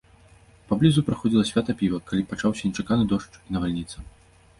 Паблізу праходзіла свята піва, калі пачаўся нечаканы дождж і навальніца.